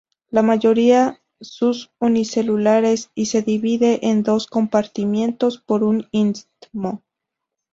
La mayoría son unicelulares y se divide en dos compartimientos por un istmo.